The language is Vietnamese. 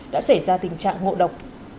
đã xảy ra tình trạng ngộ độc